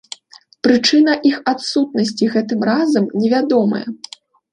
Прычына іх адсутнасці гэтым разам невядомая.